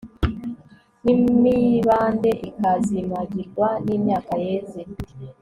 n'imibande ikazimagizwa n'imyaka yeze